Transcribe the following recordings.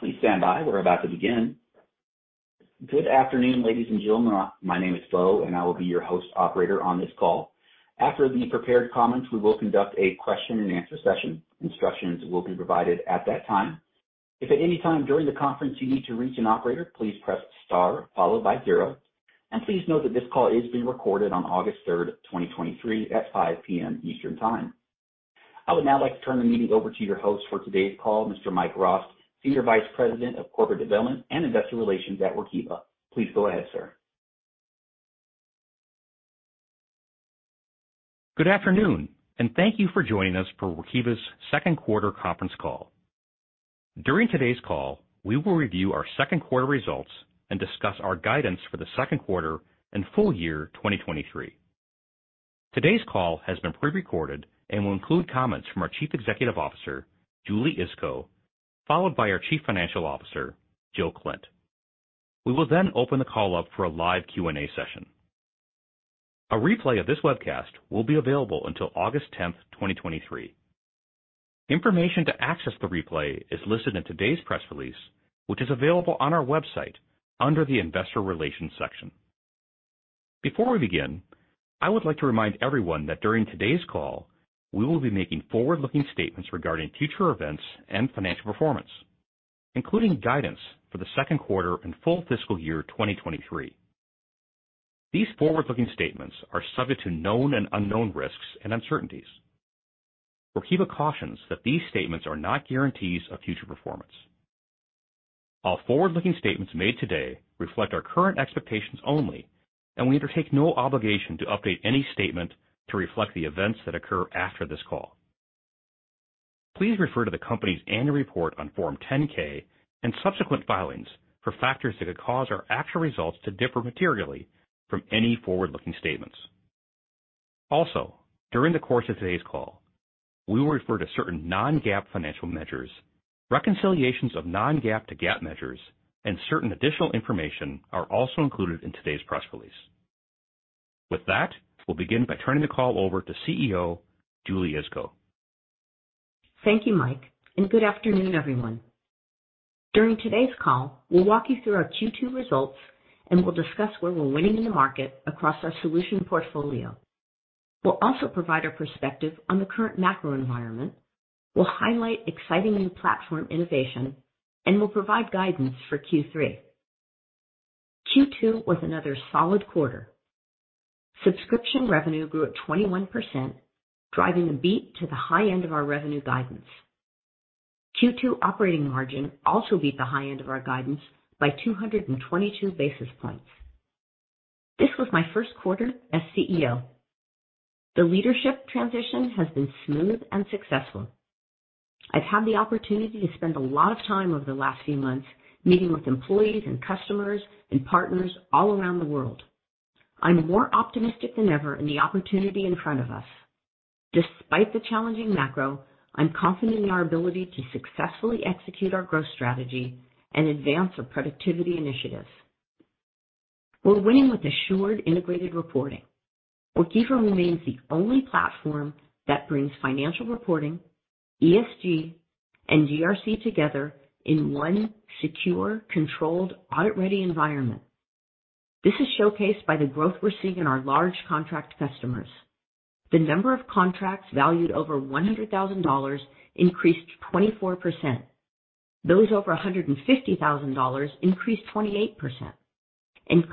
Please stand by. We're about to begin. Good afternoon, ladies and gentlemen. My name is Bo, and I will be your host operator on this call. After the prepared comments, we will conduct a question-and-answer session. Instructions will be provided at that time. If at any time during the conference you need to reach an operator, please press star followed by zero, and please note that this call is being recorded on August third, 2023 at 5:00 P.M. Eastern Time. I would now like to turn the meeting over to your host for today's call, Mr. Mike Rost, Senior Vice President of Corporate Development and Investor Relations at Workiva. Please go ahead, sir. Good afternoon, and thank you for joining us for Workiva's second quarter conference call. During today's call, we will review our second quarter results and discuss our guidance for the second quarter and full year 2023. Today's call has been pre-recorded and will include comments from our Chief Executive Officer, Julie Iskow, followed by our Chief Financial Officer, Jill Klindt. We will then open the call up for a live Q&A session. A replay of this webcast will be available until August 10, 2023. Information to access the replay is listed in today's press release, which is available on our website under the Investor Relations section. Before we begin, I would like to remind everyone that during today's call, we will be making forward-looking statements regarding future events and financial performance, including guidance for the second quarter and full fiscal year 2023. These forward-looking statements are subject to known and unknown risks and uncertainties. Workiva cautions that these statements are not guarantees of future performance. All forward-looking statements made today reflect our current expectations only, and we undertake no obligation to update any statement to reflect the events that occur after this call. Please refer to the company's Annual Report on Form 10-K and subsequent filings for factors that could cause our actual results to differ materially from any forward-looking statements. Also, during the course of today's call, we will refer to certain non-GAAP financial measures. Reconciliations of non-GAAP to GAAP measures and certain additional information are also included in today's press release. With that, we'll begin by turning the call over to CEO, Julie Iskow. Thank you, Mike. Good afternoon, everyone. During today's call, we'll walk you through our Q2 results. We'll discuss where we're winning in the market across our solution portfolio. We'll also provide our perspective on the current macro environment. We'll highlight exciting new platform innovation. We'll provide guidance for Q3. Q2 was another solid quarter. Subscription revenue grew at 21%, driving a beat to the high end of our revenue guidance. Q2 operating margin also beat the high end of our guidance by 222 basis points. This was my first quarter as CEO. The leadership transition has been smooth and successful. I've had the opportunity to spend a lot of time over the last few months meeting with employees and customers and partners all around the world. I'm more optimistic than ever in the opportunity in front of us. Despite the challenging macro, I'm confident in our ability to successfully execute our growth strategy and advance our productivity initiatives. We're winning with Assured Integrated Reporting. Workiva remains the only platform that brings financial reporting, ESG, and GRC together in one secure, controlled, audit-ready environment. This is showcased by the growth we're seeing in our large contract customers. The number of contracts valued over $100,000 increased 24%. Those over $150,000 increased 28%.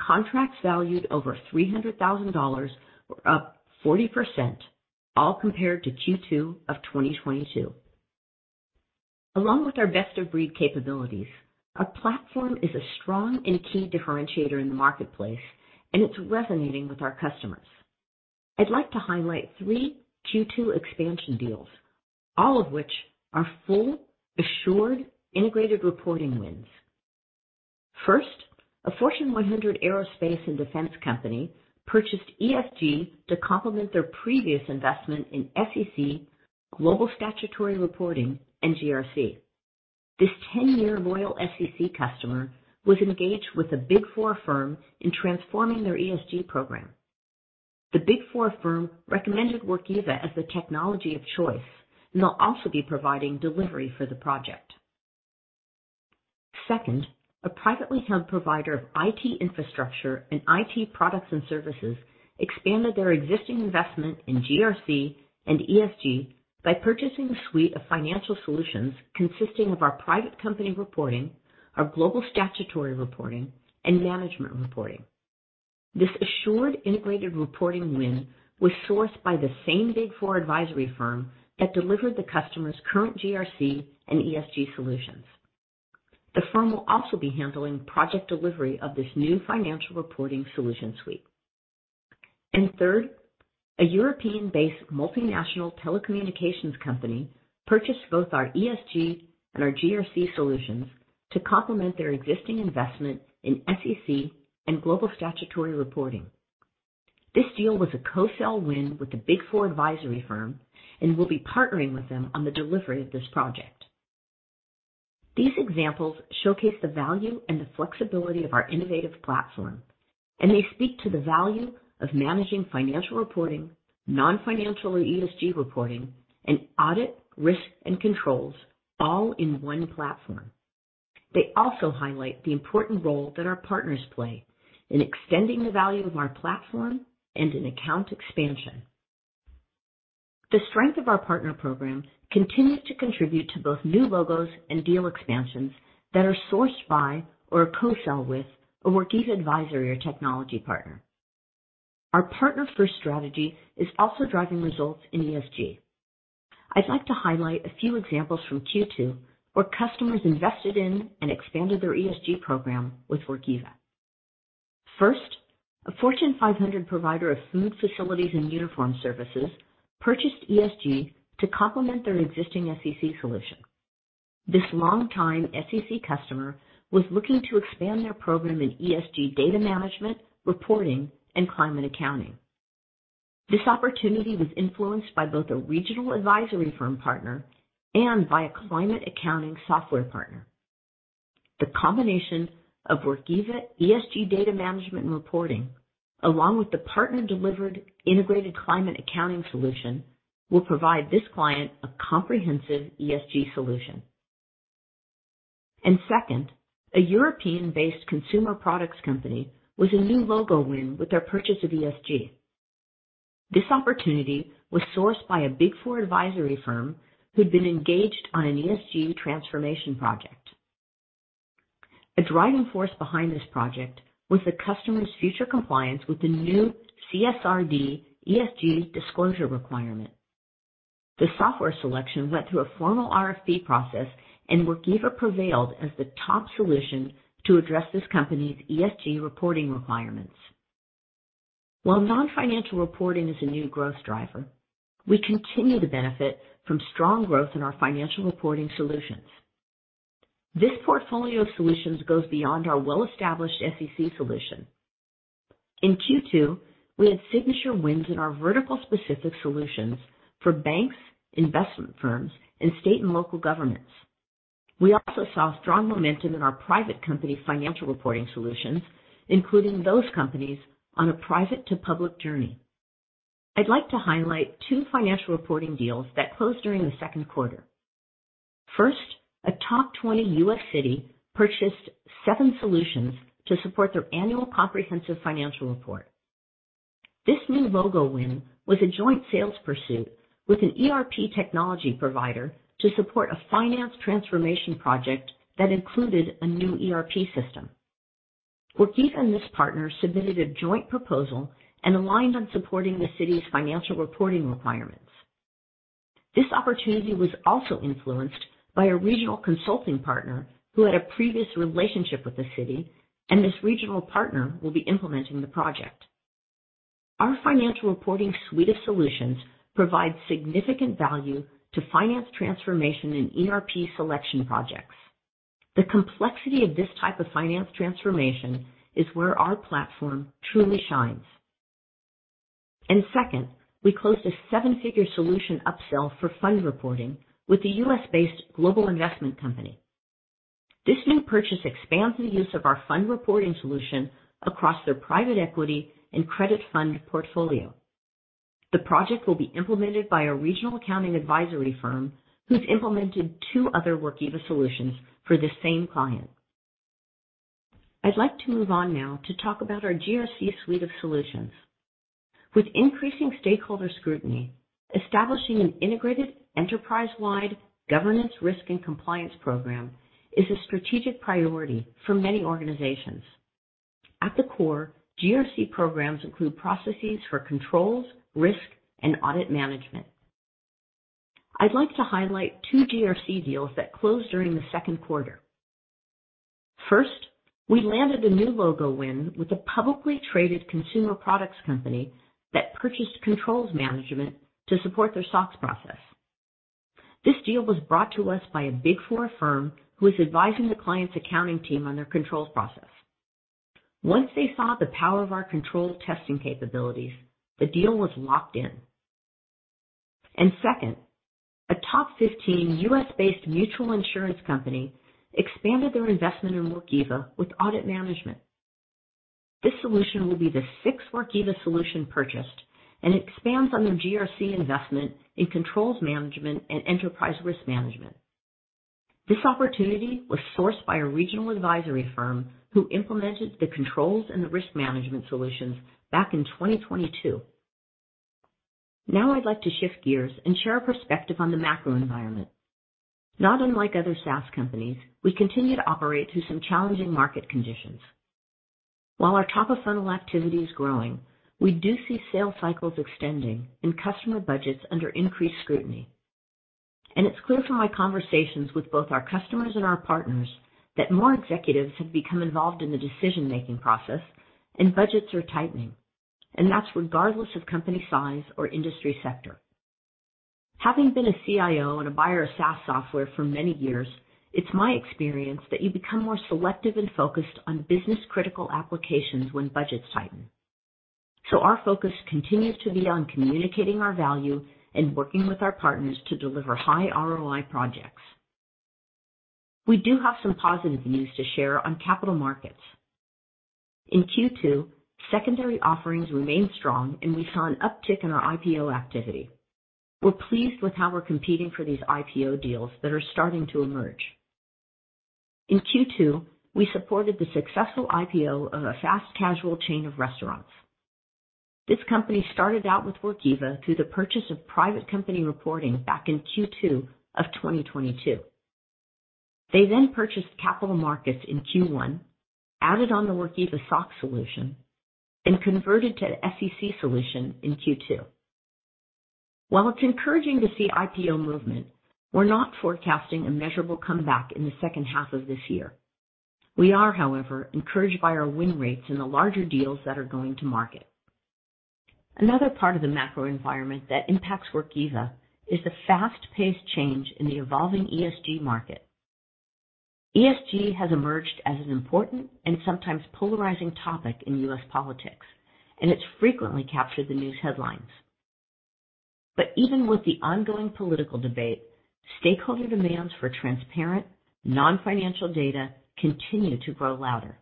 Contracts valued over $300,000 were up 40%, all compared to Q2 of 2022. Along with our best-of-breed capabilities, our platform is a strong and key differentiator in the marketplace. It's resonating with our customers. I'd like to highlight three Q2 expansion deals, all of which are full, Assured Integrated Reporting wins. First, a Fortune 100 aerospace and defense company purchased ESG to complement their previous investment in SEC, Global Statutory Reporting, and GRC. This 10-year loyal SEC customer was engaged with a Big Four firm in transforming their ESG program. The Big Four firm recommended Workiva as the technology of choice, and they'll also be providing delivery for the project. Second, a privately held provider of IT infrastructure and IT products and services expanded their existing investment in GRC and ESG by purchasing a suite of financial solutions consisting of our private company reporting, our Global Statutory Reporting, and management reporting. This assured integrated reporting win was sourced by the same Big Four advisory firm that delivered the customer's current GRC and ESG solutions. The firm will also be handling project delivery of this new financial reporting solution suite. Third, a European-based multinational telecommunications company purchased both our ESG and our GRC solutions to complement their existing investment in SEC and Global Statutory Reporting. This deal was a co-sell win with the Big Four advisory firm and will be partnering with them on the delivery of this project. These examples showcase the value and the flexibility of our innovative platform. They speak to the value of managing financial reporting, non-financial and ESG reporting, and audit, risk, and controls, all in one platform. They also highlight the important role that our partners play in extending the value of our platform and in account expansion. The strength of our partner program continues to contribute to both new logos and deal expansions that are sourced by or co-sell with a Workiva advisory or technology partner. Our partner-first strategy is also driving results in ESG. I'd like to highlight a few examples from Q2, where customers invested in and expanded their ESG program with Workiva. First, a Fortune 500 provider of food facilities and uniform services purchased ESG to complement their existing SEC solution. This long-time SEC customer was looking to expand their program in ESG data management, reporting, and climate accounting. This opportunity was influenced by both a regional advisory firm partner and by a climate accounting software partner. The combination of Workiva ESG data management and reporting, along with the partner-delivered integrated climate accounting solution, will provide this client a comprehensive ESG solution. Second, a European-based consumer products company was a new logo win with their purchase of ESG. This opportunity was sourced by a Big Four advisory firm who'd been engaged on an ESG transformation project. A driving force behind this project was the customer's future compliance with the new CSRD ESG disclosure requirement. The software selection went through a formal RFP process, and Workiva prevailed as the top solution to address this company's ESG reporting requirements. While non-financial reporting is a new growth driver, we continue to benefit from strong growth in our financial reporting solutions. This portfolio of solutions goes beyond our well-established SEC solution. In Q2, we had signature wins in our vertical-specific solutions for banks, investment firms, and state and local governments. We also saw strong momentum in our private company financial reporting solutions, including those companies on a private-to-public journey. I'd like to highlight two financial reporting deals that closed during the second quarter. First, a top 20 U.S. city purchased seven solutions to support their annual comprehensive financial report. This new logo win was a joint sales pursuit with an ERP technology provider to support a finance transformation project that included a new ERP system. Workiva and this partner submitted a joint proposal and aligned on supporting the city's financial reporting requirements. This opportunity was also influenced by a regional consulting partner who had a previous relationship with the city, and this regional partner will be implementing the project. Our financial reporting suite of solutions provides significant value to finance transformation and ERP selection projects. The complexity of this type of finance transformation is where our platform truly shines. Second, we closed a seven-figure solution upsell for fund reporting with a U.S.-based global investment company. This new purchase expands the use of our fund reporting solution across their private equity and credit fund portfolio. The project will be implemented by a regional accounting advisory firm who's implemented two other Workiva solutions for the same client. I'd like to move on now to talk about our GRC suite of solutions. With increasing stakeholder scrutiny, establishing an integrated, enterprise-wide governance, risk, and compliance program is a strategic priority for many organizations. At the core, GRC programs include processes for controls, risk, and audit management. I'd like to highlight 2 GRC deals that closed during the second quarter. First, we landed a new logo win with a publicly traded consumer products company that purchased controls management to support their SOX process. This deal was brought to us by a Big Four firm who is advising the client's accounting team on their controls process. Once they saw the power of our control testing capabilities, the deal was locked in. Second, a top 15 U.S.-based mutual insurance company expanded their investment in Workiva with audit management. This solution will be the sixth Workiva solution purchased and expands on their GRC investment in controls management and enterprise risk management. This opportunity was sourced by a regional advisory firm who implemented the controls and the risk management solutions back in 2022. Now, I'd like to shift gears and share a perspective on the macro environment. Not unlike other SaaS companies, we continue to operate through some challenging market conditions. While our top-of-funnel activity is growing, we do see sales cycles extending and customer budgets under increased scrutiny. It's clear from my conversations with both our customers and our partners that more executives have become involved in the decision-making process and budgets are tightening, and that's regardless of company size or industry sector. Having been a CIO and a buyer of SaaS software for many years, it's my experience that you become more selective and focused on business-critical applications when budgets tighten. Our focus continues to be on communicating our value and working with our partners to deliver high ROI projects.... We do have some positive news to share on capital markets. In Q2, secondary offerings remained strong, and we saw an uptick in our IPO activity. We're pleased with how we're competing for these IPO deals that are starting to emerge. In Q2, we supported the successful IPO of a fast-casual chain of restaurants. This company started out with Workiva through the purchase of private company reporting back in Q2 of 2022. They purchased capital markets in Q1, added on the Workiva SOC solution, and converted to an SEC solution in Q2. While it's encouraging to see IPO movement, we're not forecasting a measurable comeback in the second half of this year. We are, however, encouraged by our win rates in the larger deals that are going to market. Another part of the macro environment that impacts Workiva is the fast-paced change in the evolving ESG market. ESG has emerged as an important and sometimes polarizing topic in US politics, and it's frequently captured the news headlines. Even with the ongoing political debate, stakeholder demands for transparent, non-financial data continue to grow louder.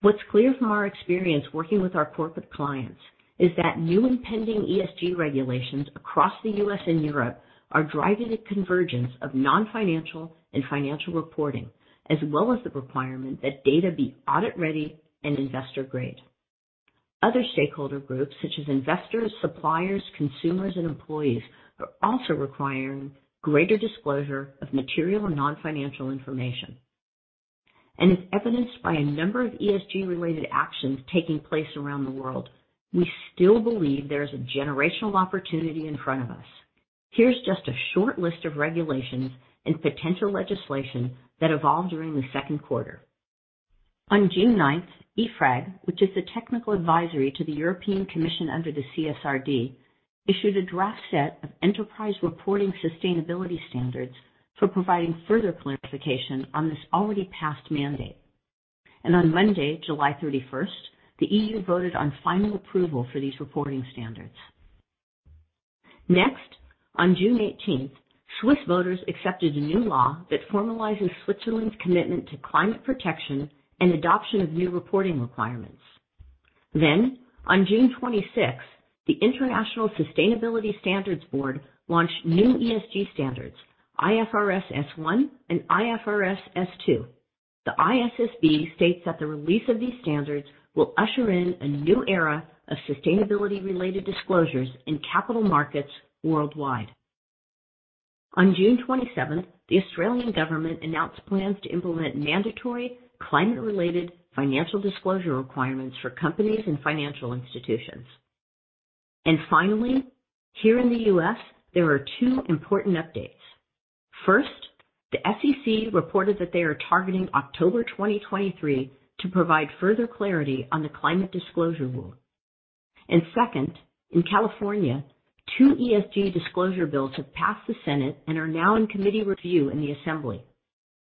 What's clear from our experience working with our corporate clients is that new and pending ESG regulations across the U.S. and Europe are driving a convergence of non-financial and financial reporting, as well as the requirement that data be audit-ready and investor-grade. Other stakeholder groups, such as investors, suppliers, consumers, and employees, are also requiring greater disclosure of material and non-financial information. As evidenced by a number of ESG-related actions taking place around the world, we still believe there is a generational opportunity in front of us. Here's just a short list of regulations and potential legislation that evolved during the second quarter. On June 9th, EFRAG, which is the technical advisory to the European Commission under the CSRD, issued a draft set of enterprise reporting sustainability standards for providing further clarification on this already passed mandate. On Monday, July 31st, the EU voted on final approval for these reporting standards. Next, on June 18th, Swiss voters accepted a new law that formalizes Switzerland's commitment to climate protection and adoption of new reporting requirements. On June 26, the International Sustainability Standards Board launched new ESG standards, IFRS S1 and IFRS S2. The ISSB states that the release of these standards will usher in a new era of sustainability-related disclosures in capital markets worldwide. On June 27, the Australian government announced plans to implement mandatory climate-related financial disclosure requirements for companies and financial institutions. Finally, here in the U.S., there are two important updates. First, the SEC reported that they are targeting October 2023 to provide further clarity on the climate disclosure rule. Second, in California, two ESG disclosure bills have passed the Senate and are now in committee review in the Assembly.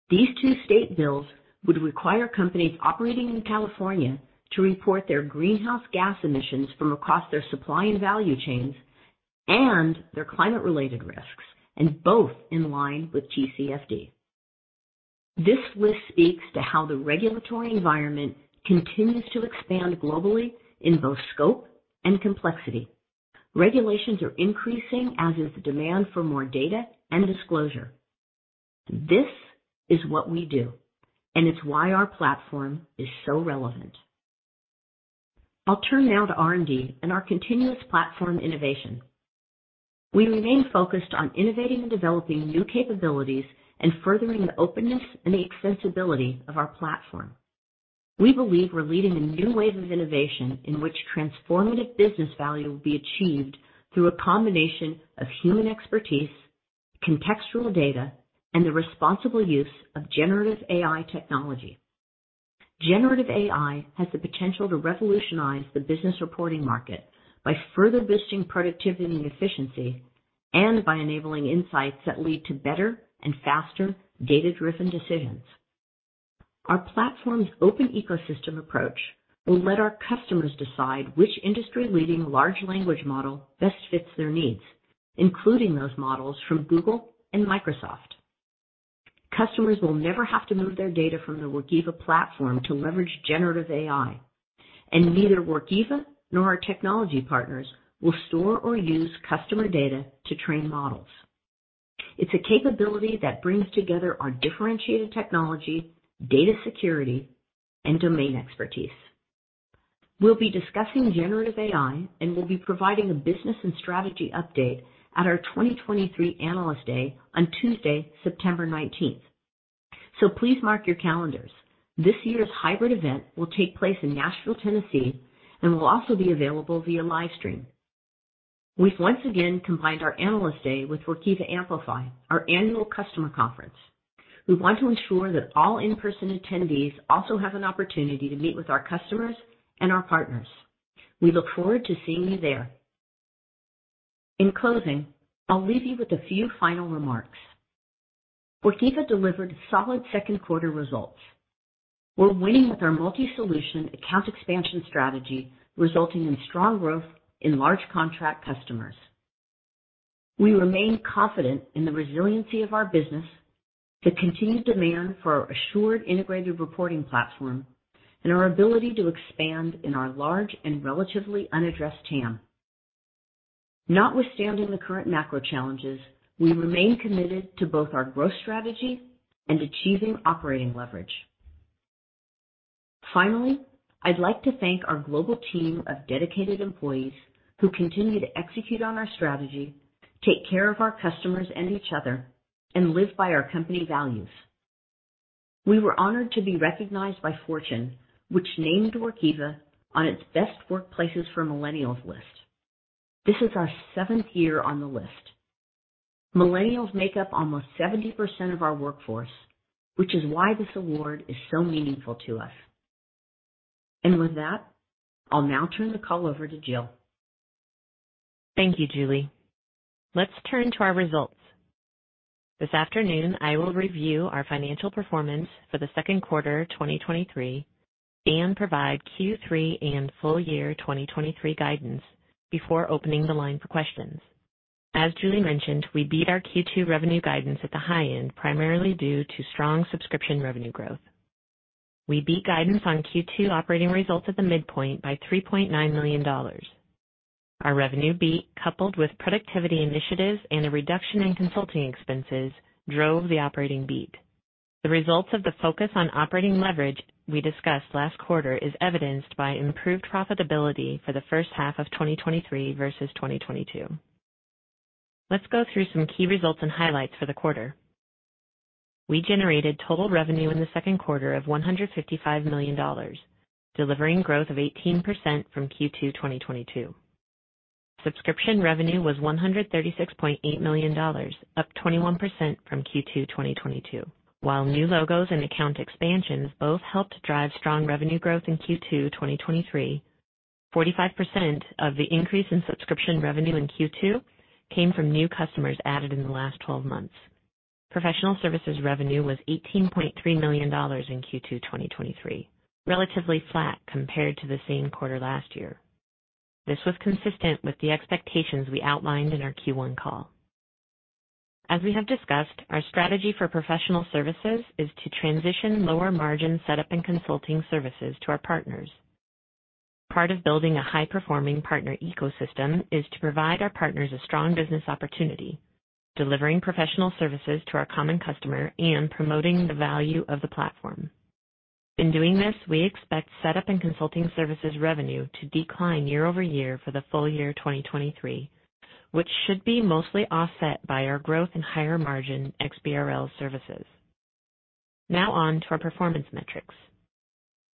These two state bills would require companies operating in California to report their greenhouse gas emissions from across their supply and value chains and their climate-related risks, and both in line with TCFD. This list speaks to how the regulatory environment continues to expand globally in both scope and complexity. Regulations are increasing, as is the demand for more data and disclosure. This is what we do, and it's why our platform is so relevant. I'll turn now to R&D and our continuous platform innovation. We remain focused on innovating and developing new capabilities and furthering the openness and the accessibility of our platform. We believe we're leading a new wave of innovation in which transformative business value will be achieved through a combination of human expertise, contextual data, and the responsible use of generative AI technology. Generative AI has the potential to revolutionize the business reporting market by further boosting productivity and efficiency and by enabling insights that lead to better and faster data-driven decisions. Our platform's open ecosystem approach will let our customers decide which industry-leading large language model best fits their needs, including those models from Google and Microsoft. Customers will never have to move their data from the Workiva platform to leverage generative AI, and neither Workiva nor our technology partners will store or use customer data to train models. It's a capability that brings together our differentiated technology, data security, and domain expertise. We'll be discussing generative AI, and we'll be providing a business and strategy update at our 2023 Analyst Day on Tuesday, September 19th. Please mark your calendars. This year's hybrid event will take place in Nashville, Tennessee, and will also be available via live stream. We've once again combined our Analyst Day with Workiva Amplify, our annual customer conference. We want to ensure that all in-person attendees also have an opportunity to meet with our customers and our partners. We look forward to seeing you there. In closing, I'll leave you with a few final remarks. Workiva delivered solid second quarter results. We're winning with our multi-solution account expansion strategy, resulting in strong growth in large contract customers. We remain confident in the resiliency of our business, the continued demand for our assured integrated reporting platform, and our ability to expand in our large and relatively unaddressed TAM. Notwithstanding the current macro challenges, we remain committed to both our growth strategy and achieving operating leverage. Finally, I'd like to thank our global team of dedicated employees who continue to execute on our strategy, take care of our customers and each other, and live by our company values. We were honored to be recognized by Fortune, which named Workiva on its Best Workplaces for Millennials list. This is our seventh year on the list. Millennials make up almost 70% of our workforce, which is why this award is so meaningful to us. With that, I'll now turn the call over to Jill. Thank you, Julie. Let's turn to our results. This afternoon, I will review our financial performance for the second quarter, 2023, and provide Q3 and full year 2023 guidance before opening the line for questions. As Julie mentioned, we beat our Q2 revenue guidance at the high end, primarily due to strong subscription revenue growth. We beat guidance on Q2 operating results at the midpoint by $3.9 million. Our revenue beat, coupled with productivity initiatives and a reduction in consulting expenses, drove the operating beat. The results of the focus on operating leverage we discussed last quarter is evidenced by improved profitability for the first half of 2023 versus 2022. Let's go through some key results and highlights for the quarter. We generated total revenue in the second quarter of $155 million, delivering growth of 18% from Q2 2022. Subscription revenue was $136.8 million, up 21% from Q2 2022. While new logos and account expansions both helped drive strong revenue growth in Q2 2023, 45% of the increase in subscription revenue in Q2 came from new customers added in the last 12 months. Professional services revenue was $18.3 million in Q2 2023, relatively flat compared to the same quarter last year. This was consistent with the expectations we outlined in our Q1 call. As we have discussed, our strategy for professional services is to transition lower margin setup and consulting services to our partners. Part of building a high-performing partner ecosystem is to provide our partners a strong business opportunity, delivering professional services to our common customer and promoting the value of the platform. In doing this, we expect setup and consulting services revenue to decline year-over-year for the full year 2023, which should be mostly offset by our growth in higher-margin XBRL services. On to our performance metrics.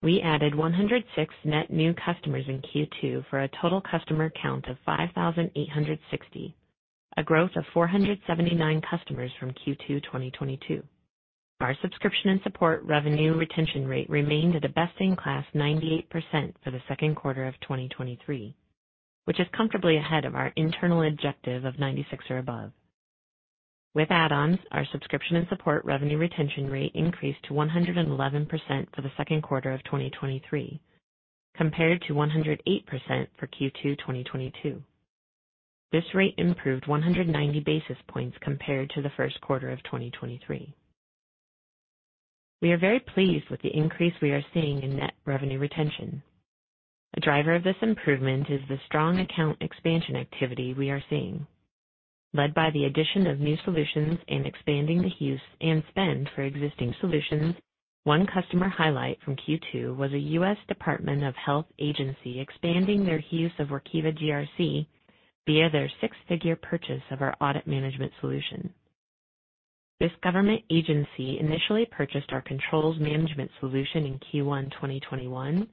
We added 106 net new customers in Q2, for a total customer count of 5,860, a growth of 479 customers from Q2 2022. Our subscription and support revenue retention rate remained at a best-in-class 98% for the second quarter of 2023, which is comfortably ahead of our internal objective of 96 or above. With add-ons, our subscription and support revenue retention rate increased to 111% for the second quarter of 2023, compared to 108% for Q2 2022. This rate improved 190 basis points compared to the first quarter of 2023. We are very pleased with the increase we are seeing in net revenue retention. A driver of this improvement is the strong account expansion activity we are seeing. Led by the addition of new solutions and expanding the use and spend for existing solutions, one customer highlight from Q2 was a U.S. Department of Health agency expanding their use of Workiva GRC via their six-figure purchase of our audit management solution. This government agency initially purchased our controls management solution in Q1 2021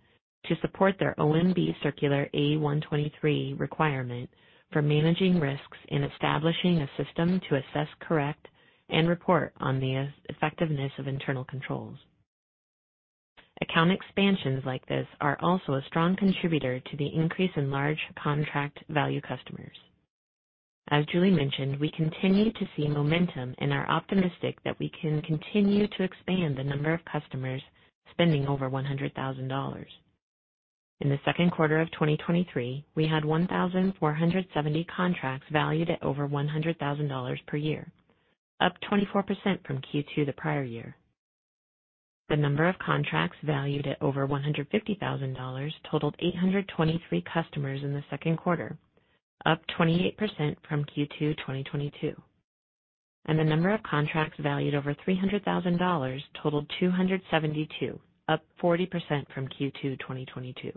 to support their OMB Circular A-123 requirement for managing risks and establishing a system to assess, correct, and report on the effectiveness of internal controls. Account expansions like this are also a strong contributor to the increase in large contract value customers. As Julie mentioned, we continue to see momentum and are optimistic that we can continue to expand the number of customers spending over $100,000. In the second quarter of 2023, we had 1,470 contracts valued at over $100,000 per year, up 24% from Q2 the prior year. The number of contracts valued at over $150,000 totaled 823 customers in the second quarter, up 28% from Q2 2022. The number of contracts valued over $300,000 totaled 272, up 40% from Q2 2022.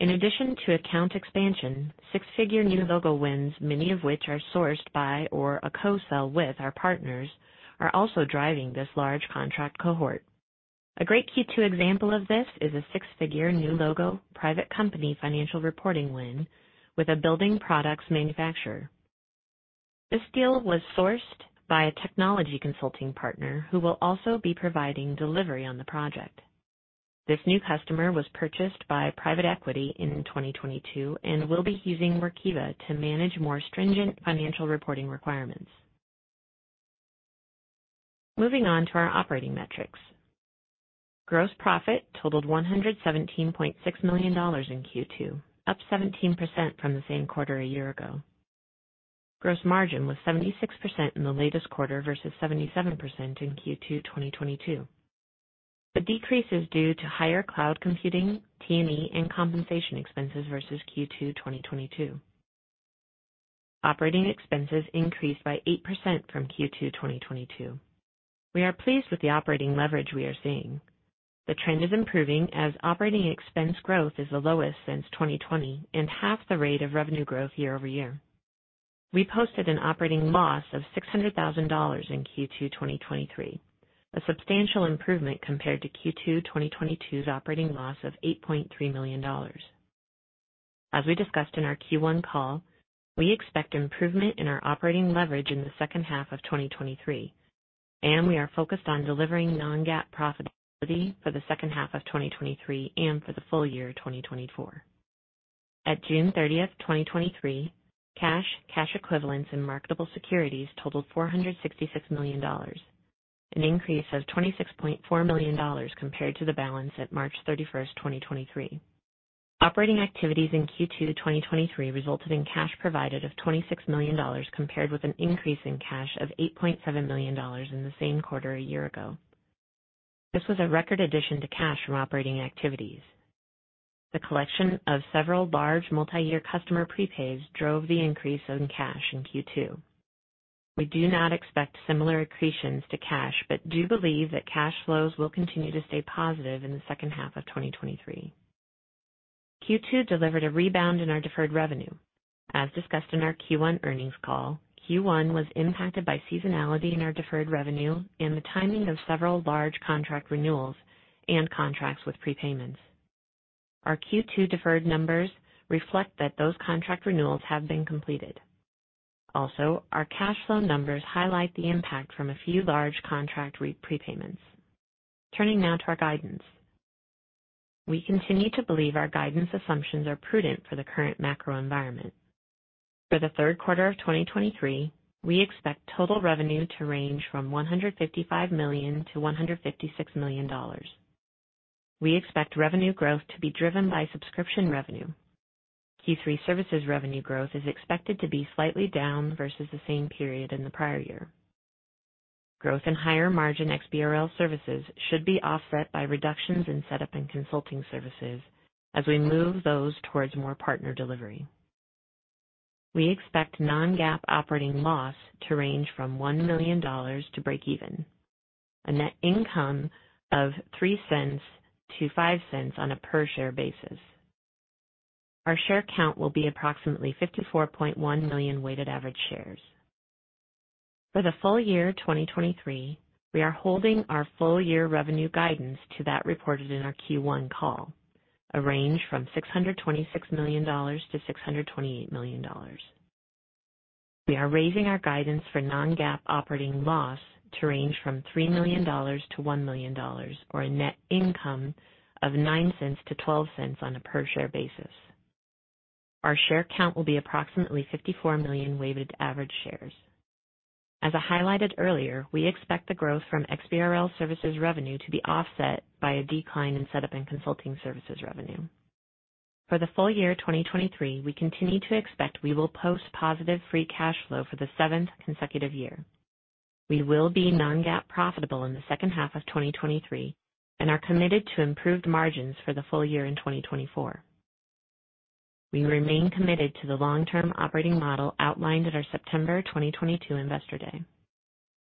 In addition to account expansion, six-figure new logo wins, many of which are sourced by or a co-sell with our partners, are also driving this large contract cohort. A great Q2 example of this is a six-figure new logo, private company financial reporting win with a building products manufacturer. This deal was sourced by a technology consulting partner who will also be providing delivery on the project. This new customer was purchased by private equity in 2022 and will be using Workiva to manage more stringent financial reporting requirements. Moving on to our operating metrics. Gross profit totaled $117.6 million in Q2, up 17% from the same quarter a year ago. Gross margin was 76% in the latest quarter versus 77% in Q2 2022. The decrease is due to higher cloud computing, T&E, and compensation expenses versus Q2 2022. Operating expenses increased by 8% from Q2 2022. We are pleased with the operating leverage we are seeing. The trend is improving as operating expense growth is the lowest since 2020, and half the rate of revenue growth year-over-year. We posted an operating loss of $600,000 in Q2 2023, a substantial improvement compared to Q2 2022's operating loss of $8.3 million. As we discussed in our Q1 call, we expect improvement in our operating leverage in the second half of 2023, and we are focused on delivering non-GAAP profitability for the second half of 2023 and for the full year 2024. At June 30, 2023, cash, cash equivalents, and marketable securities totaled $466 million, an increase of $26.4 million compared to the balance at March 31, 2023. Operating activities in Q2 2023 resulted in cash provided of $26 million, compared with an increase in cash of $8.7 million in the same quarter a year ago. This was a record addition to cash from operating activities. The collection of several large multi-year customer prepays drove the increase in cash in Q2. We do not expect similar accretions to cash, but do believe that cash flows will continue to stay positive in the second half of 2023. Q2 delivered a rebound in our deferred revenue. As discussed in our Q1 earnings call, Q1 was impacted by seasonality in our deferred revenue and the timing of several large contract renewals and contracts with prepayments. Our Q2 deferred numbers reflect that those contract renewals have been completed. Our cash flow numbers highlight the impact from a few large contract prepayments. Turning now to our guidance. We continue to believe our guidance assumptions are prudent for the current macro environment. For the third quarter of 2023, we expect total revenue to range from $155 million-$156 million. We expect revenue growth to be driven by subscription revenue. Q3 services revenue growth is expected to be slightly down versus the same period in the prior year. Growth in higher margin XBRL services should be offset by reductions in setup and consulting services as we move those towards more partner delivery. We expect non-GAAP operating loss to range from $1 million to break even, a net income of $0.03-$0.05 on a per share basis. Our share count will be approximately 54.1 million weighted average shares. For the full year 2023, we are holding our full year revenue guidance to that reported in our Q1 call, a range from $626 million-$628 million. We are raising our guidance for non-GAAP operating loss to range from $3 million-$1 million, or a net income of $0.09-$0.12 on a per share basis. Our share count will be approximately 54 million weighted average shares. As I highlighted earlier, we expect the growth from XBRL services revenue to be offset by a decline in setup and consulting services revenue. For the full year 2023, we continue to expect we will post positive free cash flow for the 7th consecutive year. We will be non-GAAP profitable in the second half of 2023 and are committed to improved margins for the full year in 2024. We remain committed to the long-term operating model outlined at our September 2022 Investor Day.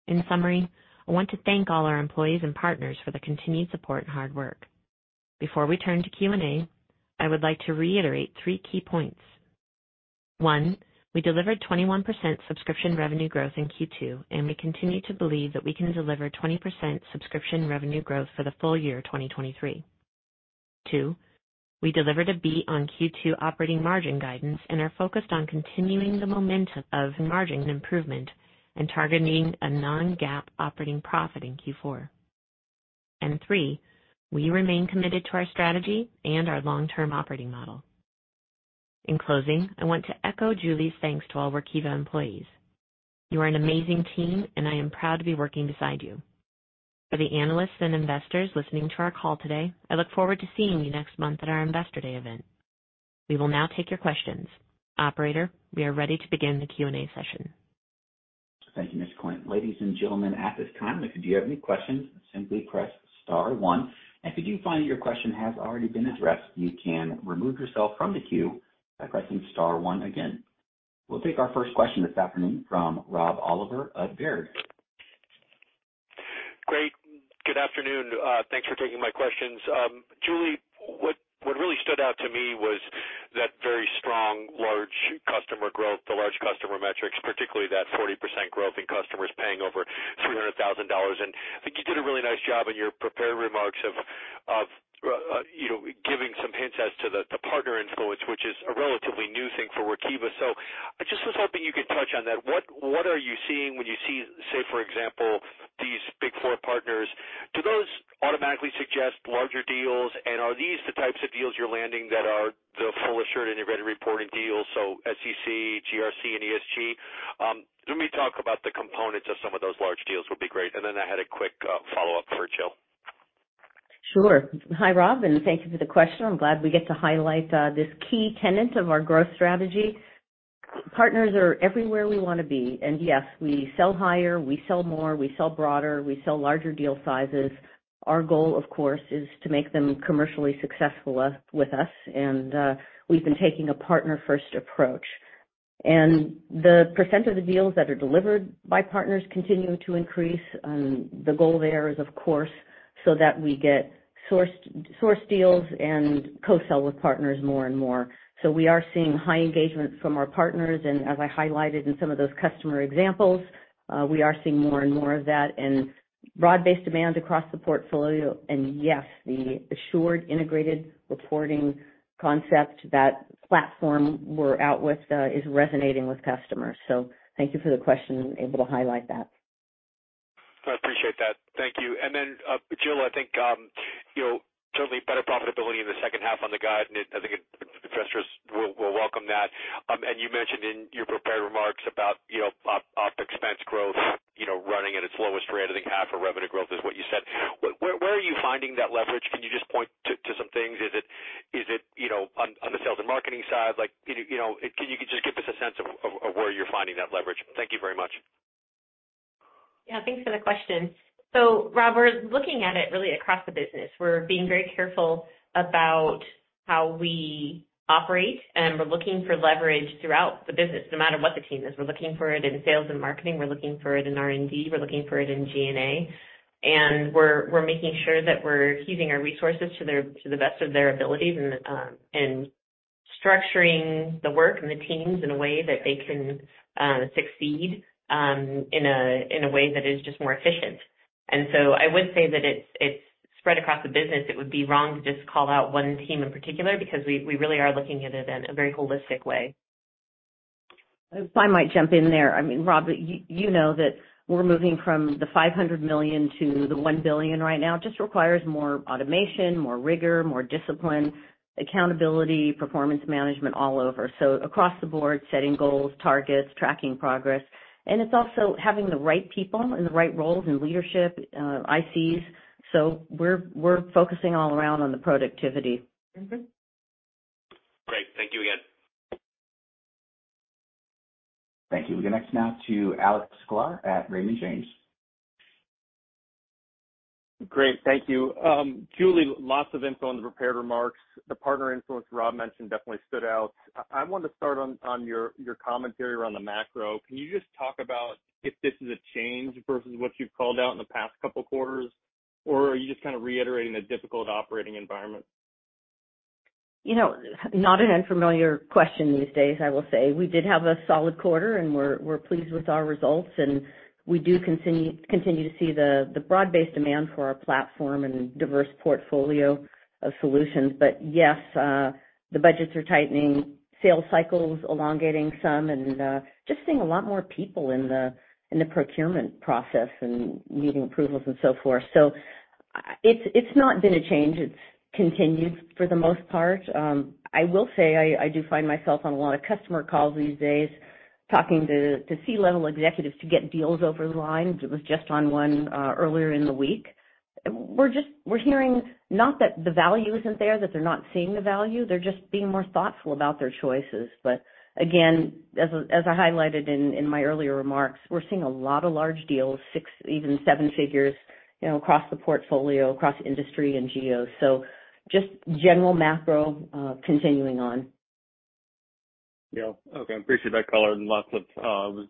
In summary, I want to thank all our employees and partners for the continued support and hard work. Before we turn to Q&A, I would like to reiterate three key points. One, we delivered 21% subscription revenue growth in Q2, and we continue to believe that we can deliver 20% subscription revenue growth for the full year 2023. Two, we delivered a beat on Q2 operating margin guidance and are focused on continuing the momentum of margin improvement and targeting a non-GAAP operating profit in Q4. Three, we remain committed to our strategy and our long-term operating model. In closing, I want to echo Julie's thanks to all Workiva employees. You are an amazing team, and I am proud to be working beside you. For the analysts and investors listening to our call today, I look forward to seeing you next month at our Investor Day event. We will now take your questions. Operator, we are ready to begin the Q&A session. Thank you, Ms. Klindt. Ladies and gentlemen, at this time, if you have any questions, simply press star one. If you find that your question has already been addressed, you can remove yourself from the queue by pressing star one again. We'll take our first question this afternoon from Rob Oliver of Baird. Great. Good afternoon. Thanks for taking my questions. Julie, what, what really stood out to me was that very strong large customer growth, the large customer metrics, particularly that 40% growth in customers paying over $300,000. I think you did a really nice job in your prepared remarks of, of, you know, giving some hints as to the, the partner influence, which is a relatively new thing for Workiva. I just was hoping you could touch on that. What, what are you seeing when you see, say, for example, these Big Four partners? Do those automatically suggest larger deals? Are these the types of deals you're landing that are the full assured integrated reporting deals, so SEC, GRC, and ESG? Let me talk about the components of some of those large deals would be great. Then I had a quick, follow-up for Jill. Sure. Hi, Rob. Thank you for the question. I'm glad we get to highlight this key tenet of our growth strategy. Partners are everywhere we wanna be, and yes, we sell higher, we sell more, we sell broader, we sell larger deal sizes. Our goal, of course, is to make them commercially successful us, with us, and we've been taking a partner-first approach. The percent of the deals that are delivered by partners continue to increase. The goal there is, of course, so that we get sourced, sourced deals and co-sell with partners more and more. We are seeing high engagement from our partners, and as I highlighted in some of those customer examples, we are seeing more and more of that and broad-based demand across the portfolio. Yes, the assured integrated reporting concept, that platform we're out with, is resonating with customers. Thank you for the question, able to highlight that. I appreciate that. Thank you. Then, Jill, I think, you know, certainly better profitability in the second half on the guide, and I think investors will, will welcome that. You mentioned in your prepared remarks about, you know, op, op expense growth, you know, running at its lowest rate I think half of revenue growth is what you said. Where, where, where are you finding that leverage? Can you just point to, to some things? Is it, is it, you know, on, on the sales and marketing side? Like, you, you know, can you just give us a sense of, of, of where you're finding that leverage? Thank you very much. Yeah, thanks for the question. Rob, we're looking at it really across the business. We're being very careful about how we operate, and we're looking for leverage throughout the business, no matter what the team is. We're looking for it in sales and marketing. We're looking for it in R&D, we're looking for it in G&A, and we're, we're making sure that we're using our resources to their, to the best of their abilities and structuring the work and the teams in a way that they can succeed in a way that is just more efficient. I would say that it's, it's spread across the business. It would be wrong to just call out one team in particular because we, we really are looking at it in a very holistic way. If I might jump in there. I mean, Rob, you, you know that we're moving from the $500 million to the $1 billion right now. Just requires more automation, more rigor, more discipline, accountability, performance management all over. Across the board, setting goals, targets, tracking progress, and it's also having the right people in the right roles in leadership, ICs. We're, we're focusing all around on the productivity. Great. Thank you again. Thank you. We go next now to Alex Sklar at Raymond James. Great. Thank you. Julie, lots of info on the prepared remarks. The partner influence Rob mentioned definitely stood out. I, I want to start on, on your, your commentary around the macro. Can you just talk about if this is a change versus what you've called out in the past couple quarters, or are you just kind of reiterating a difficult operating environment? You know, not an unfamiliar question these days, I will say. We did have a solid quarter, and we're, we're pleased with our results, and we do continue, continue to see the, the broad-based demand for our platform and diverse portfolio of solutions. Yes, the budgets are tightening, sales cycles elongating some, and just seeing a lot more people in the procurement process and needing approvals and so forth. It's not been a change. It's continued for the most part. I will say I, I do find myself on a lot of customer calls these days, talking to C-level executives to get deals over the line. I was just on one earlier in the week. We're hearing not that the value isn't there, that they're not seeing the value, they're just being more thoughtful about their choices. Again, as I, as I highlighted in, in my earlier remarks, we're seeing a lot of large deals, $6 figures, even $7 figures, you know, across the portfolio, across industry and geos. Just general macro, continuing on. Yeah. Okay, appreciate that color and lots of,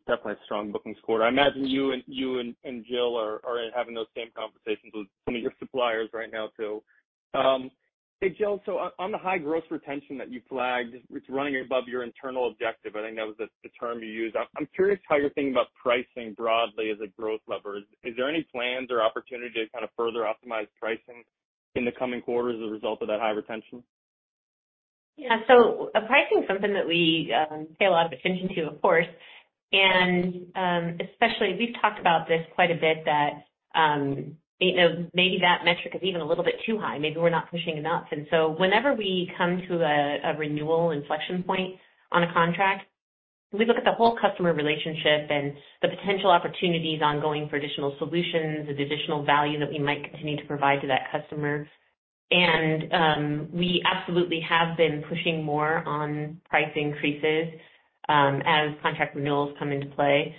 definitely a strong bookings quarter. I imagine you and, you and, and Jill are, are having those same conversations with some of your suppliers right now too. Hey, Jill, so on, on the high growth retention that you flagged, it's running above your internal objective. I think that was the, the term you used. I'm curious how you're thinking about pricing broadly as a growth lever. Is there any plans or opportunity to kind of further optimize pricing in the coming quarters as a result of that high retention? Yeah. Pricing is something that we pay a lot of attention to, of course. Especially, we've talked about this quite a bit that, you know, maybe that metric is even a little bit too high, maybe we're not pushing enough. Whenever we come to a renewal inflection point on a contract, we look at the whole customer relationship and the potential opportunities ongoing for additional solutions and additional value that we might continue to provide to that customer. We absolutely have been pushing more on price increases as contract renewals come into play.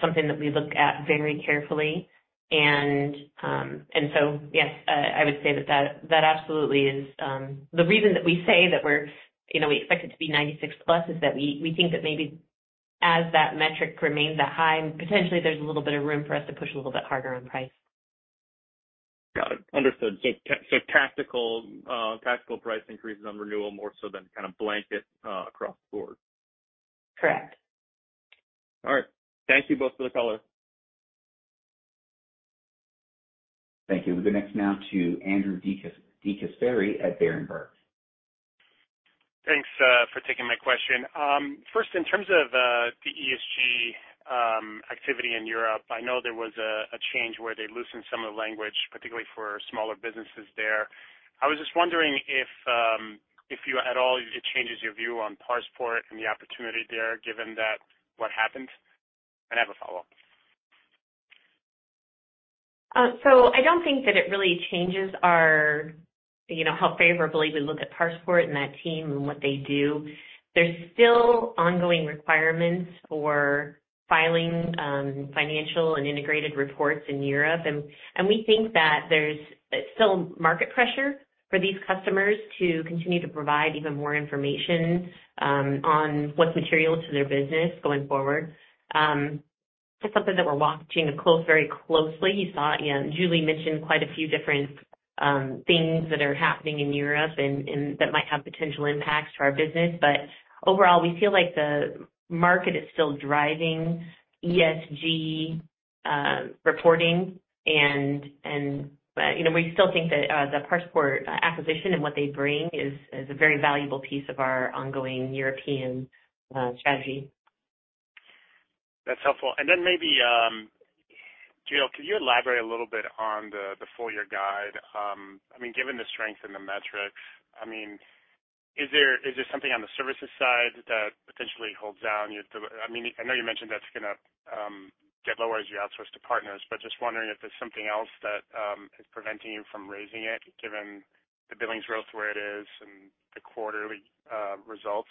Something that we look at very carefully. Yes, I would say that, that absolutely is...The reason that we say that we're, you know, we expect it to be 96+, is that we, we think that maybe as that metric remains that high, potentially there's a little bit of room for us to push a little bit harder on price. Got it. Understood. So tactical, tactical price increases on renewal, more so than kind of blanket, across the board? Correct. All right. Thank you both for the color. Thank you. We go next now to Andrew DeCesaris, DeCesaris at Berenberg. Thanks for taking my question. First, in terms of the ESG activity in Europe, I know there was a, a change where they loosened some of the language, particularly for smaller businesses there. I was just wondering if, if you at all, it changes your view on ParsePort and the opportunity there, given that what happened? I have a follow-up. I don't think that it really changes our, you know, how favorably we look at ParsePort and that team and what they do. There's still ongoing requirements for filing financial and integrated reports in Europe. We think that there's still market pressure for these customers to continue to provide even more information on what's material to their business going forward. It's something that we're watching close, very closely. You saw, you know, Julie mentioned quite a few different things that are happening in Europe that might have potential impacts to our business. Overall, we feel like the market is still driving ESG reporting, you know, we still think that the ParsePort acquisition and what they bring is a very valuable piece of our ongoing European strategy. That's helpful. Then maybe, Jill, could you elaborate a little bit on the, the full year guide? I mean, given the strength in the metrics, I mean, is there, is there something on the services side that potentially holds down your-- I mean, I know you mentioned that's going to get lower as you outsource to partners, but just wondering if there's something else that is preventing you from raising it, given the billings growth where it is and the quarterly results.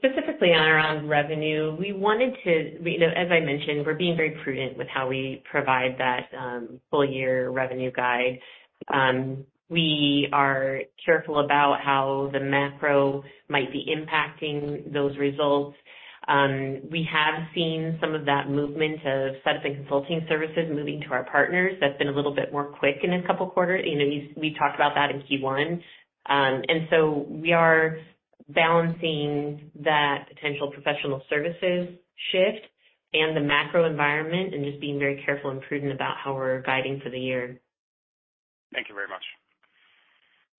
Specifically on our own revenue, we wanted to, you know, as I mentioned, we're being very prudent with how we provide that full year revenue guide. We are careful about how the macro might be impacting those results. We have seen some of that movement of setup and consulting services moving to our partners. That's been a little bit more quick in a couple quarters. You know, we, we talked about that in Q1. We are balancing that potential professional services shift and the macro environment and just being very careful and prudent about how we're guiding for the year. Thank you very much.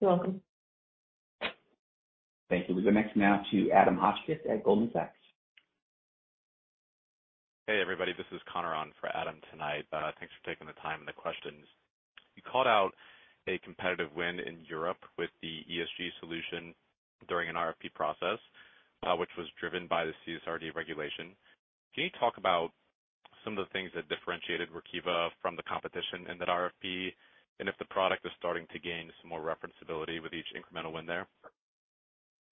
You're welcome. Thank you. We go next now to Adam Hotchkiss at Goldman Sachs. Hey, everybody, this is Connor on for Adam tonight. Thanks for taking the time and the questions. You called out a competitive win in Europe with the ESG solution during an RFP process, which was driven by the CSRD regulation. Can you talk about some of the things that differentiated Workiva from the competition in that RFP, and if the product is starting to gain some more referenceability with each incremental win there?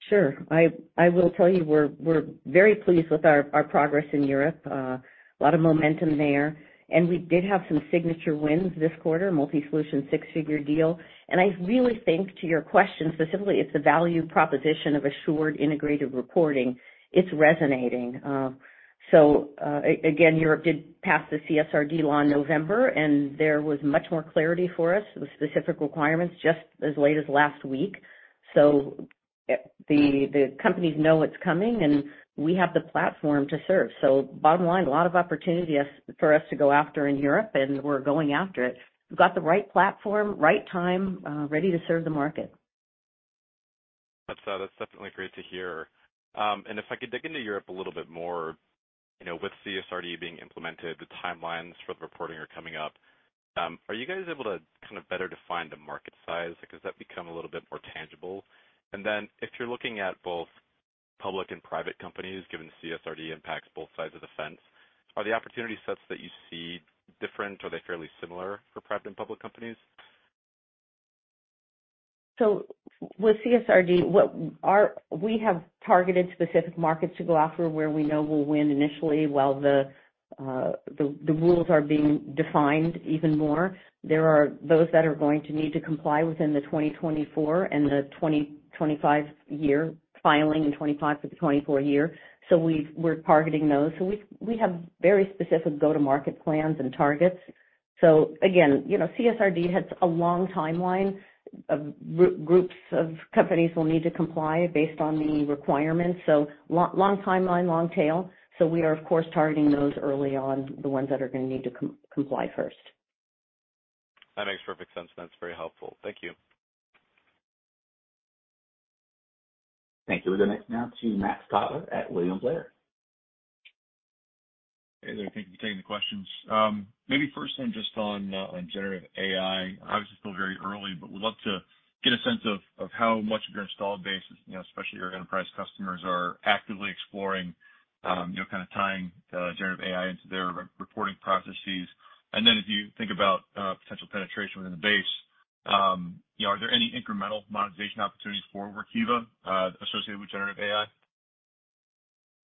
Sure. I, I will tell you, we're, we're very pleased with our, our progress in Europe. A lot of momentum there. We did have some signature wins this quarter, multi-solution, six-figure deal. I really think, to your question specifically, it's the value proposition of assured integrated reporting. It's resonating. Again, Europe did pass the CSRD law in November, and there was much more clarity for us with specific requirements just as late as last week. The, the companies know it's coming, and we have the platform to serve. Bottom line, a lot of opportunity for us to go after in Europe, and we're going after it. We've got the right platform, right time, ready to serve the market. That's, that's definitely great to hear. If I could dig into Europe a little bit more, you know, with CSRD being implemented, the timelines for the reporting are coming up, are you guys able to kind of better define the market size? Has that become a little bit more tangible? Then if you're looking at both public and private companies, given the CSRD impacts both sides of the fence, are the opportunity sets that you see different or are they fairly similar for private and public companies? With CSRD, we have targeted specific markets to go after where we know we'll win initially, while the, the, the rules are being defined even more. There are those that are going to need to comply within the 2024 and the 2025 year filing in 25 for the 24 year, we're targeting those. We've, we have very specific go-to-market plans and targets. Again, you know, CSRD has a long timeline of groups of companies will need to comply based on the requirements. Long, long timeline, long tail. We are, of course, targeting those early on, the ones that are going to need to comply first. That makes perfect sense, and that's very helpful. Thank you. Thank you. We go next now to Max Cotler at William Blair. Hey there. Thank you for taking the questions. Maybe first then, just on generative AI. Obviously, still very early, but would love to get a sense of how much of your installed base, you know, especially your enterprise customers, are actively exploring, you know, kind of tying the generative AI into their reporting processes. Then as you think about potential penetration within the base, you know, are there any incremental monetization opportunities for Workiva associated with generative AI?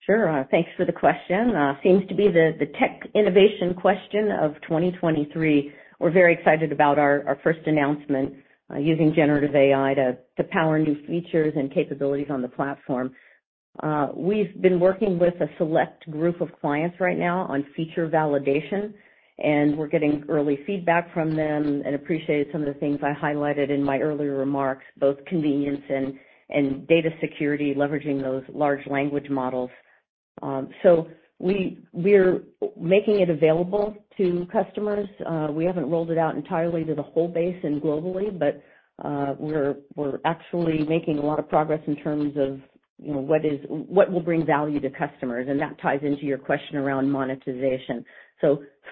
Sure. Thanks for the question. Seems to be the, the tech innovation question of 2023. We're very excited about our, our first announcement, using generative AI to, to power new features and capabilities on the platform. We've been working with a select group of clients right now on feature validation, and we're getting early feedback from them and appreciated some of the things I highlighted in my earlier remarks, both convenience and, and data security, leveraging those large language models. We, we're making it available to customers. We haven't rolled it out entirely to the whole base and globally, but, we're, we're actually making a lot of progress in terms of, you know, what will bring value to customers, and that ties into your question around monetization.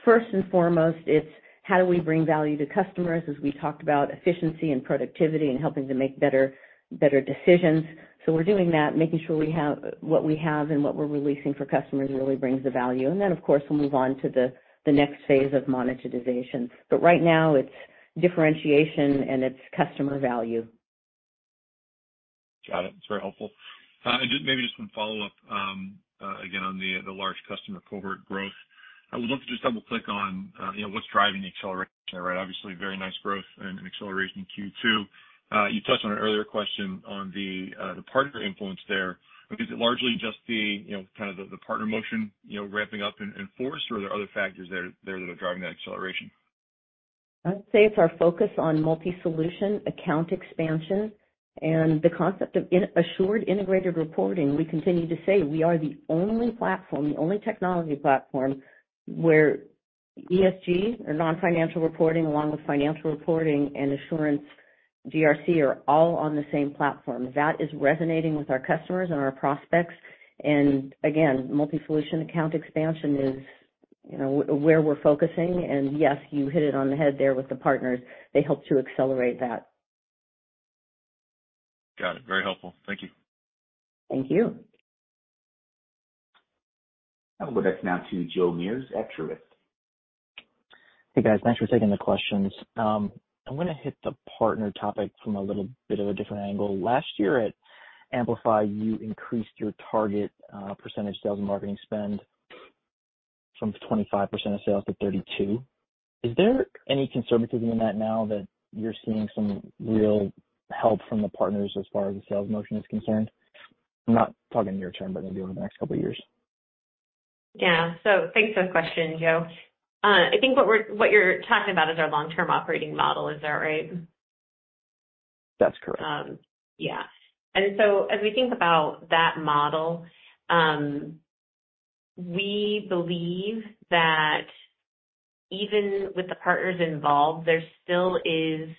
First and foremost, it's how do we bring value to customers, as we talked about efficiency and productivity and helping to make better, better decisions. We're doing that, making sure what we have and what we're releasing for customers really brings the value. Then, of course, we'll move on to the next phase of monetization. Right now, it's differentiation and it's customer value. Got it. It's very helpful. Just maybe just one follow-up, again, on the large customer cohort growth. I would love to just double click on, you know, what's driving the acceleration, right? Obviously, very nice growth and an acceleration in Q2. You touched on an earlier question on the partner influence there. Is it largely just the, you know, kind of the partner motion, you know, ramping up in, in force, or are there other factors there that are driving that acceleration? I'd say it's our focus on multi-solution account expansion and the concept of assured integrated reporting. We continue to say we are the only platform, the only technology platform, where ESG or non-financial reporting, along with financial reporting and assurance GRC, are all on the same platform. That is resonating with our customers and our prospects. again, multi-solution account expansion is, you know, where we're focusing. yes, you hit it on the head there with the partners. They help to accelerate that. Got it. Very helpful. Thank you. Thank you. I will go next now to Joe Meers, at Truist. Hey, guys. Thanks for taking the questions. I'm gonna hit the partner topic from a little bit of a different angle. Last year at Workiva Amplify, you increased your target percentage sales and marketing spend from 25% of sales to 32%. Is there any conservatism in that now that you're seeing some real help from the partners as far as the sales motion is concerned? I'm not talking near term, but maybe over the next couple of years. Yeah. Thanks for the question, Joe. I think what you're talking about is our long-term operating model. Is that right? That's correct. Yeah. As we think about that model, we believe that even with the partners involved, there still is,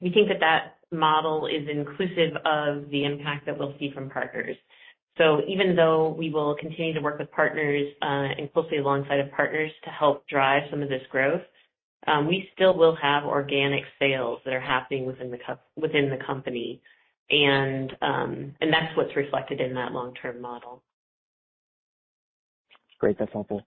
we think that that model is inclusive of the impact that we'll see from partners. Even though we will continue to work with partners, and closely alongside of partners to help drive some of this growth, we still will have organic sales that are happening within the company. That's what's reflected in that long-term model. Great. That's helpful.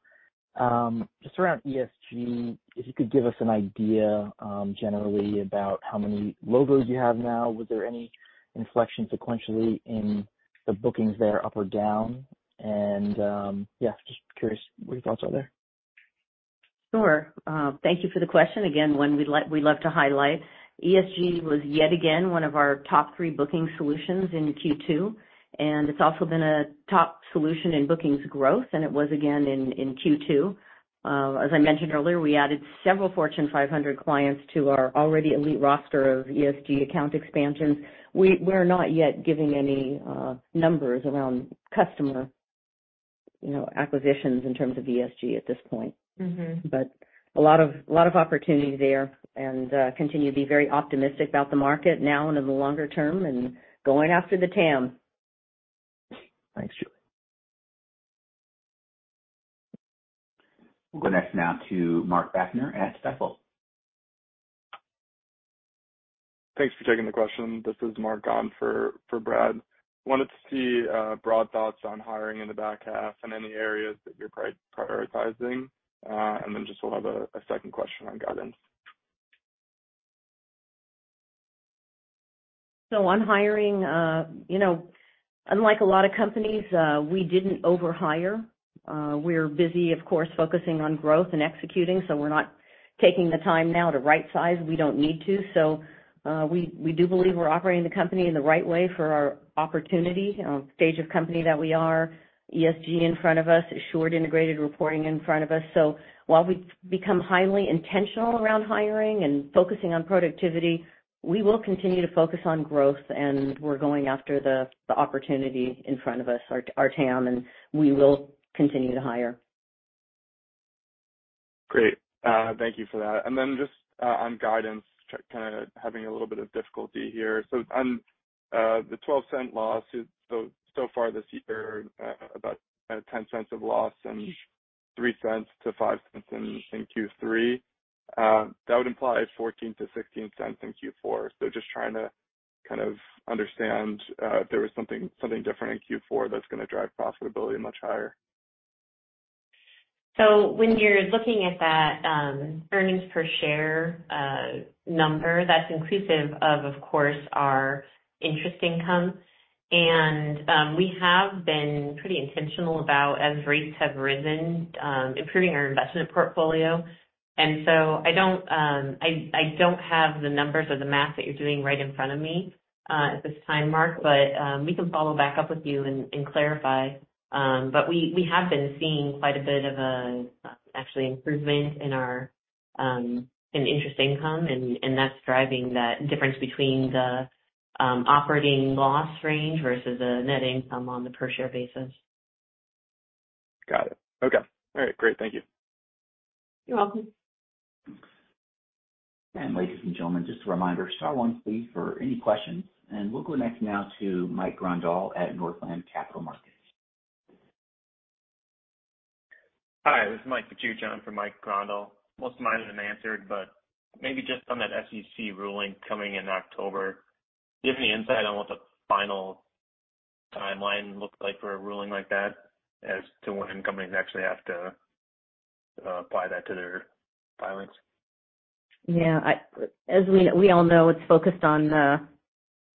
Just around ESG, if you could give us an idea, generally about how many logos you have now, was there any inflection sequentially in the bookings there, up or down? Yeah, just curious what your thoughts are there. Sure. Thank you for the question again, one we'd like, we love to highlight. ESG was yet again, one of our 3 booking solutions in Q2, and it's also been a top solution in bookings growth, and it was again in Q2. As I mentioned earlier, we added several Fortune 500 clients to our already elite roster of ESG account expansion. We're not yet giving any numbers around customer, you know, acquisitions in terms of ESG at this point. Mm-hmm. A lot of, a lot of opportunity there and continue to be very optimistic about the market now and in the longer term and going after the TAM. Thanks, Julie. We'll go next now to Mark Bachner at Stifel. Thanks for taking the question. This is Mark on for Brad. Wanted to see broad thoughts on hiring in the back half and any areas that you're prioritizing. Just we'll have a second question on guidance. On hiring, you know, unlike a lot of companies, we didn't overhire. We're busy, of course, focusing on growth and executing, so we're not taking the time now to rightsize. We don't need to. We, we do believe we're operating the company in the right way for our opportunity, stage of company that we are. ESG in front of us, assured integrated reporting in front of us. While we've become highly intentional around hiring and focusing on productivity, we will continue to focus on growth, and we're going after the opportunity in front of us, our TAM, and we will continue to hire. Great. Thank you for that. Then just on guidance, kind of having a little bit of difficulty here. On the $0.12 loss, so far this year, about $0.10 of loss and $0.03-$0.05 in Q3, that would imply $0.14-$0.16 in Q4. Just trying to kind of understand if there was something different in Q4 that's gonna drive profitability much higher. When you're looking at that earnings per share number, that's inclusive of, of course, our interest income. We have been pretty intentional about, as rates have risen, improving our investment portfolio. I don't, I, I don't have the numbers or the math that you're doing right in front of me at this time, Mark, but we can follow back up with you and, and clarify. We, we have been seeing quite a bit of a actually improvement in our-... in interest income, and that's driving that difference between the operating loss range versus a net income on the per share basis. Got it. Okay. All right, great. Thank you. You're welcome. Ladies and gentlemen, just a reminder, star one, please, for any questions. We'll go next now to Mike Grondahl at Northland Capital Markets. Hi, this is Mike Pochowski in for Mike Grondahl. Most of mine have been answered, but maybe just on that SEC ruling coming in October, do you have any insight on what the final timeline looks like for a ruling like that as to when companies actually have to apply that to their filings? Yeah, as we, we all know, it's focused on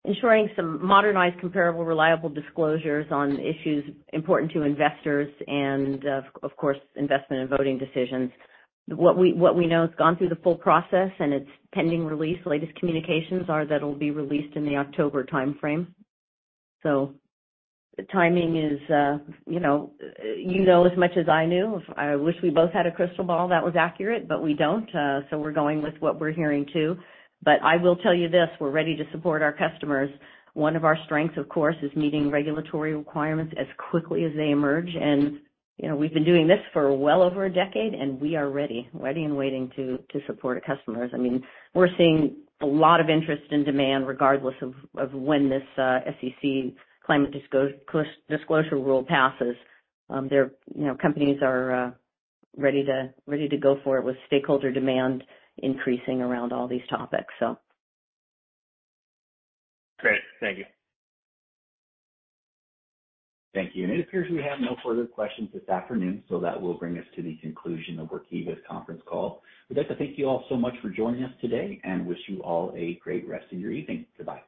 ensuring some modernized, comparable, reliable disclosures on issues important to investors and, of course, investment and voting decisions. What we, what we know, it's gone through the full process, and it's pending release. Latest communications are that it'll be released in the October timeframe. The timing is, you know, you know as much as I knew. I wish we both had a crystal ball that was accurate, but we don't, so we're going with what we're hearing, too. I will tell you this, we're ready to support our customers. One of our strengths, of course, is meeting regulatory requirements as quickly as they emerge. You know, we've been doing this for well over a decade, and we are ready, ready, and waiting to, to support our customers. I mean, we're seeing a lot of interest and demand regardless of when this, SEC climate disclosure rule passes. There, you know, companies are ready to, ready to go for it, with stakeholder demand increasing around all these topics, so. Great. Thank you. Thank you. It appears we have no further questions this afternoon, so that will bring us to the conclusion of Workiva's conference call. We'd like to thank you all so much for joining us today and wish you all a great rest of your evening. Goodbye.